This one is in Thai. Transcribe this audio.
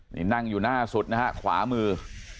นี่นั่งอยู่หน้าสุดนะฮะขวามือ